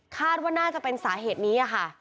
คาดว่าน่าจะเป็นสาเหตุนี้ค่ะ